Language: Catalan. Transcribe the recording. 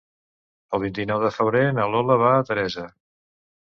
El vint-i-nou de febrer na Lola va a Teresa.